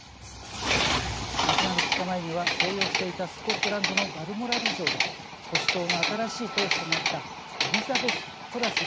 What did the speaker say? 亡くなる２日前には静養していたスコットランドのバルモラル城で保守党の新しい党首となったエリザベス・トラス